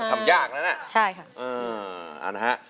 ทำยากน่ะนะใช่ค่ะเออนะฮะ